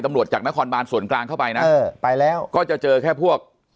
จากนครบานส่วนกลางเข้าไปนะเออไปแล้วก็จะเจอแค่พวก